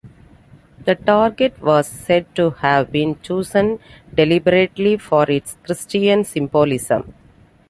The target was said to have been chosen deliberately for its Christian symbolism.